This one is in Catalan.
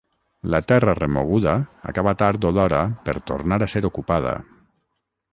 la terra remoguda acaba tard o d'hora per tornar a ser ocupada